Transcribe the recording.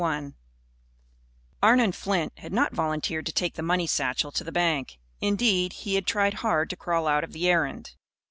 _ CHUMS Arnon Flint had not volunteered to take the money satchel to the bank. Indeed, he had tried hard to crawl out of the errand.